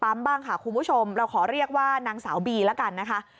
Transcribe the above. เด็กปั๊มบ้างค่ะคุณผู้ชมเราขอเรียกว่านางสาวบีละกันนะคะ